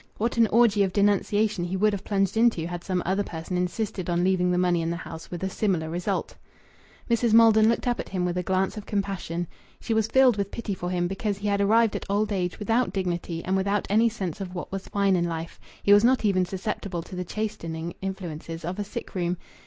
What an orgy of denunciation he would have plunged into had some other person insisted on leaving the money in the house with a similar result! Mrs. Maldon looked up at him with a glance of compassion. She was filled with pity for him because he had arrived at old age without dignity and without any sense of what was fine in life; he was not even susceptible to the chastening influences of a sick room.